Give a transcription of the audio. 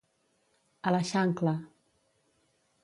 A la xancla.